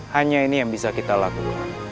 hanya ini yang bisa kita lakukan